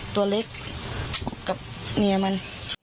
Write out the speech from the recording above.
ตัวเล็กกับเมียมัน